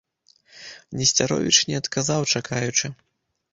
Несцяровіч не адказаў, чакаючы.